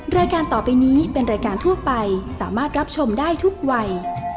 รายการต่อไปนี้เป็นรายการทั่วไปสามารถรับชมได้ทุกวัย